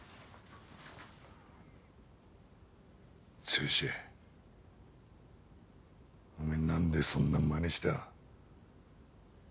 剛おめえ何でそんなまねした？